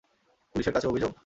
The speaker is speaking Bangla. পুলিশের কাছে অভিযোগ?